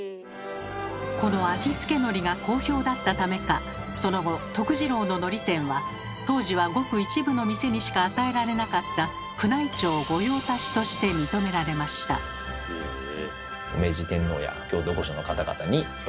この味付けのりが好評だったためかその後治郎ののり店は当時はごく一部の店にしか与えられなかった「宮内庁御用達」として認められました。と思っております。